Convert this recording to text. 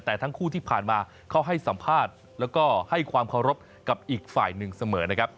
แต่ทั้งคู่ที่ผ่านมาเขาให้สัมภาษณ์แล้วก็ให้ความเคารพกับอีกฝ่ายหนึ่งเสมอนะครับ